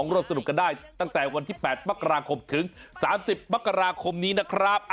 ร่วมสนุกกันได้ตั้งแต่วันที่๘มกราคมถึง๓๐มกราคมนี้นะครับ